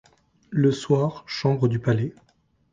Le soir, chambre du palais.